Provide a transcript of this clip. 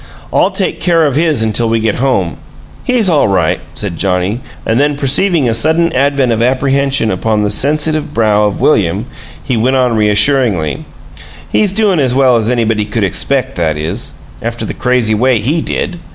"I'll take care of his until we get home. He's all right," said Johnnie, and then perceiving a sudden advent of apprehension upon the sensitive brow of William, he went on reassuringly: "He's doin' as well as anybody could expect; that is after the crazy way he DID!